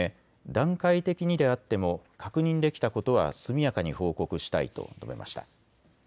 段階的にであっても確認できたことは速やかに報告したいと述べました。